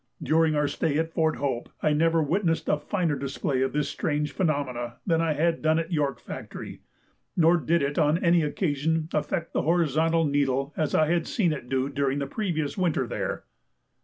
During our stay at Fort Hope I never witnessed a finer display of this strange phenomenon than I had done at York Factory, nor did it on any occasion affect the horizontal needle as I had seen it do during the previous winter there.